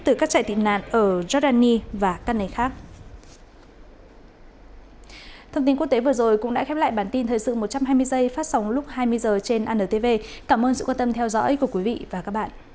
từ các trại tị nạn ở jordani và các nơi khác